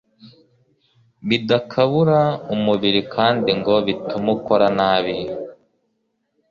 bidakabura umubiri kandi ngo bitume ukora nabi